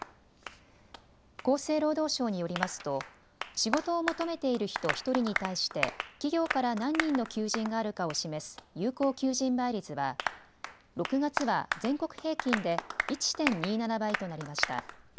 厚生労働省によりますと仕事を求めている人１人に対して企業から何人の求人があるかを示す有効求人倍率は６月は全国平均で１．２７倍となりました。